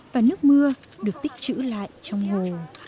và nước mưa được tích trữ lại trong hồ